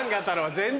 全然。